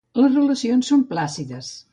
Les relacions són plàcides.